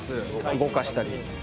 動かしたり。